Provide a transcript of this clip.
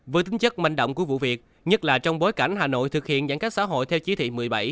với tính chất manh động của vụ việc nhất là trong bối cảnh hà nội thực hiện giãn cách xã hội theo chỉ thị một mươi bảy